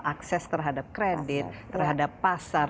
akses terhadap kredit terhadap pasar